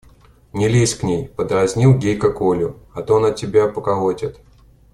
– Не лезь к ней, – поддразнил Гейка Колю, – а то она тебя поколотит.